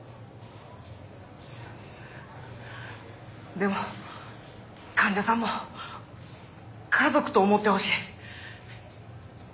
でも患者さんも家族と思てほしい。